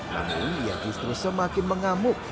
namun ia justru semakin mengamuk